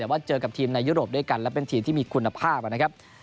แต่ว่าเจอกับทีมในยุโรปด้วยกันและเป็นทีมที่มีคุณภาพนะครับ